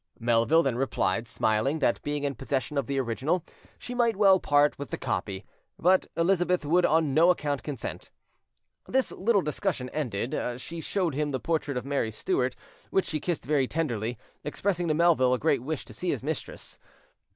Melville then replied, smiling, that being in possession of the original she might well part with the copy; but Elizabeth would on no account consent. This little discussion ended, she showed him the portrait of Mary Stuart, which she kissed very tenderly, expressing to Melville a great wish to see his mistress.